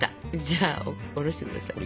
じゃあおろして下さい。